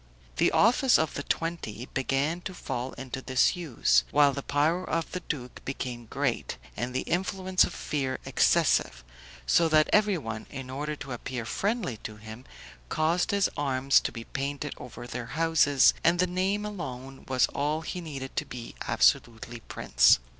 The office of the Twenty began to fall into disuse, while the power of the duke became great, and the influence of fear excessive; so that everyone, in order to appear friendly to him, caused his arms to be painted over their houses, and the name alone was all he needed to be absolutely prince.